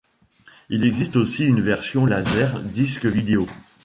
Il existe aussi une version Laser disc video.